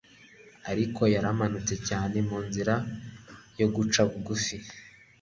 Ariko yaramanutse cyane mu nzira yo guca bugufi.